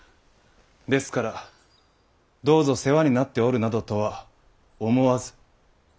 ですからどうぞ世話になっておるなどとは思わず。